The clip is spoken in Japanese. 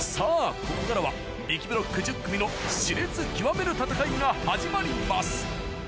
ここからはびきブロック１０組の熾烈極める戦いが始まります